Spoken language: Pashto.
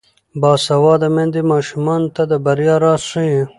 باسواده میندې ماشومانو ته د بریا راز ښيي.